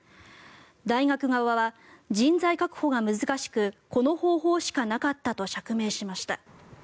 大学側は、人材確保が難しくこの方法しかなかったと釈明しました。